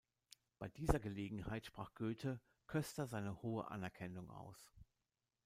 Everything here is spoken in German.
Bei dieser Gelegenheit sprach Goethe Koester seine hohe Anerkennung aus.